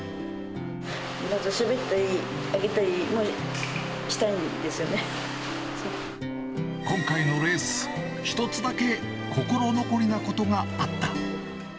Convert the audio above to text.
もっとしゃべってあげたりし今回のレース、一つだけ心残りなことがあった。